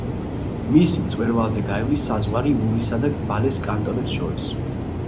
მის მწვერვალზე გაივლის საზღვარი ურისა და ვალეს კანტონებს შორის.